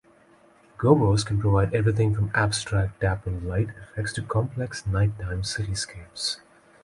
Gobos can provide everything from abstract dappled light effects to complex night-time cityscapes.